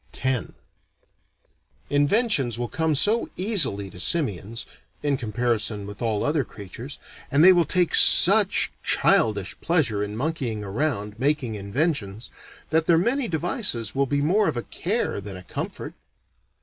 X Inventions will come so easily to simians (in comparison with all other creatures) and they will take such childish pleasure in monkeying around, making inventions, that their many devices will be more of a care than a comfort.